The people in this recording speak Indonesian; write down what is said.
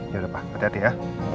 ya udah pak hati hati ya